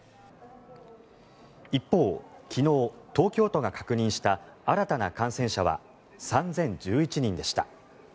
一方、昨日、東京都が確認した新たな感染者は３０１１人でした。